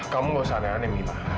kamu nggak usah aneh aneh mila